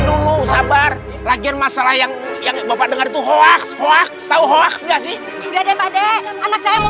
dulu sabar lagi masalah yang yang bapak dengar tuh hoax hoax hoax gak sih ada pada anak saya mau